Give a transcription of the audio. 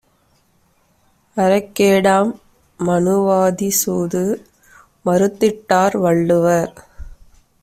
அறக்கேடாம் மநுவாதிசூது மறுத்திட்டார் Valluvar!